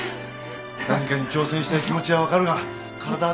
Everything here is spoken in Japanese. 何かに挑戦したい気持ちは分かるが体は大事にしろ。